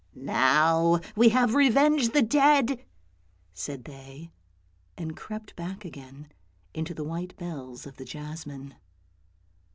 " Now we have revenged the dead! " said they, and crept back again into the white bells of the jasmine.